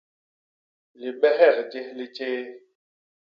Libehek jés li tjéé.